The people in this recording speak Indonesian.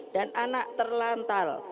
dan anak terlantal